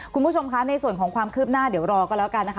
คุณผู้ชมในส่วนของความคืบหน้าต้องรอก็แล้วกัน